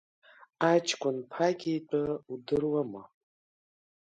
Аҷкәын ԥагьа итәы удыруама?